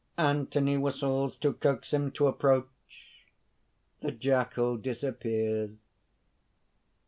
(_Anthony whistles to coax him to approach. The jackal disappears.